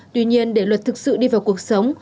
tuy nhiên để luật thực sự đi vào cuộc sống